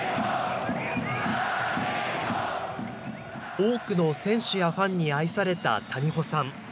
多くの選手やファンに愛された谷保さん。